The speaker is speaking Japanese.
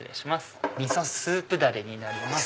味噌スープだれになります。